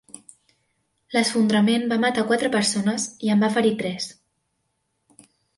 L'esfondrament va matar quatre persones i en va ferir tres.